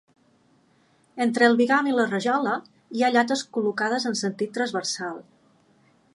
Entre el bigam i la rajola hi ha llates col·locades en sentit transversal.